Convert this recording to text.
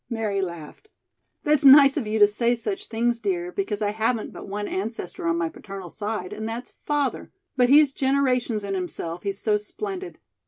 Mary laughed. "That's nice of you to say such things, dear, because I haven't but one ancestor on my paternal side and that's father, but he's generations in himself, he's so splendid.